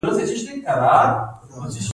د پسته ګل د څه لپاره وکاروم؟